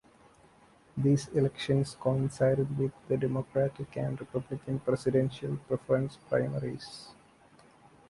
These elections coincided with the Democratic and Republican presidential preference primaries.